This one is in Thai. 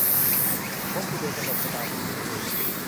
โพสต์ทูเดย์ : กำหนดชะตาชีวิตตัวเอง